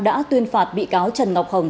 đã tuyên phạt bị cáo trần ngọc hồng